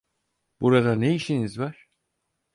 Burada ne işiniz var?